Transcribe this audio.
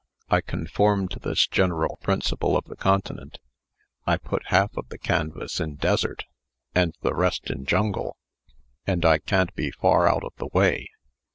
I conform to this general principle of the continent. I put half of the canvas in desert, and the rest in jungle, and I can't be far out of the way.